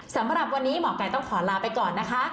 สำหรับวันนี้หมอไก่ต้องขอลาไปก่อนนะคะ